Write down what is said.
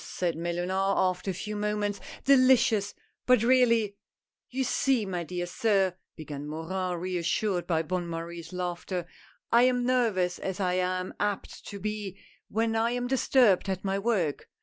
said Mellunard after a few moments, " delicious — but really "" You see, my dear sir," began Morin, reassured by Bonne Marie's laughter, " I am nervous, as I am apt to be, when I am disturbed at my work."